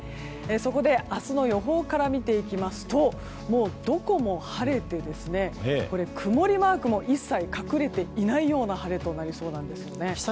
そこで明日の予報から見ていきますとどこも晴れて、曇りマークも一切隠れていないような晴れとなりそうなんです。